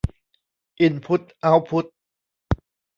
อินพุตเอาต์พุต